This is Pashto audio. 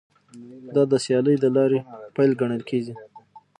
دا د سیالۍ د لارې پیل ګڼل کیږي